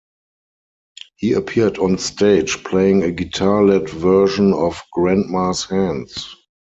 He appeared on stage playing a guitar-led version of Grandma's Hands.